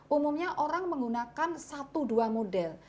umumnya orang menggunakan satu dua model